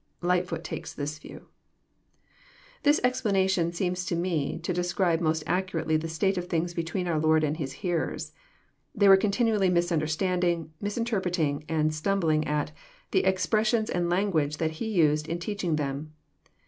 — Lightfoot takes this view. This explanation seems to me to describe most accurately the state of things between our Lord and His hearers. They Were continually misfinderstanding, misinterpreting, and stumbling at, the expressions and language that He used in teaching them.